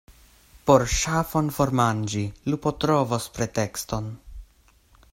Por ŝafon formanĝi, lupo trovos pretekston.